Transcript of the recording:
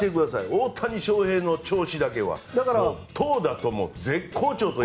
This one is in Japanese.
大谷翔平の調子だけは投打とも絶好調と。